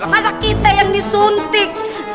masa kita yang disuntik